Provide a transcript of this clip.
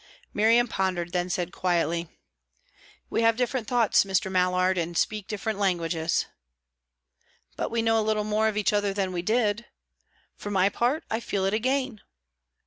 Miriam pondered, then said quietly: "We have different thoughts, Mr. Mallard, and speak different languages." "But we know a little more of each other than we did. For my part, I feel it a gain."